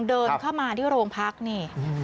เดินเข้ามาที่โรงพักนี่